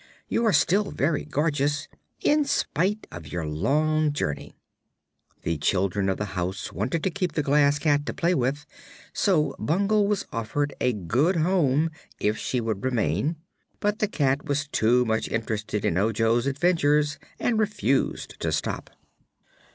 "You are still very gorgeous, in spite of your long journey." The children of the house wanted to keep the Glass Cat to play with, so Bungle was offered a good home if she would remain; but the cat was too much interested in Ojo's adventures and refused to stop.